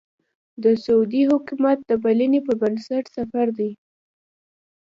د سعودي حکومت د بلنې پر بنسټ سفر دی.